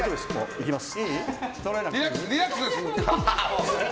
いきます。